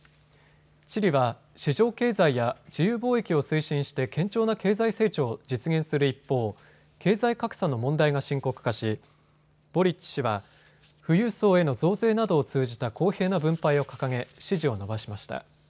チリは市場経済や自由貿易を推進して堅調な経済成長を実現する一方、経済格差の問題が深刻化しボリッチ氏は富裕層への増税などを通じた公平な分配を掲げ支持を伸ばしました。